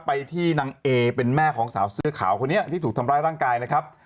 ไปที่นางเอเป็นแม่ของสาวเสื้อขาวคนนี้ที่ถูกทำร้ายร่างกายนะครับ